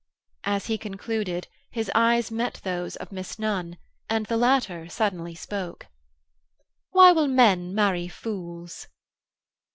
As he concluded, his eyes met those of Miss Nunn, and the latter suddenly spoke. "Why will men marry fools?"